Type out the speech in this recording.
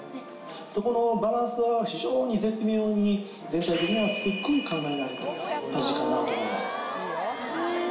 そこのバランスは非常に絶妙に全体的にはすっごい考えられてる味かなと思います。